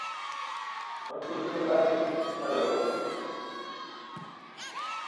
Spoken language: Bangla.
অনেকগুলো পরিবার নির্ভরশীল ছিল আমাদের উপর।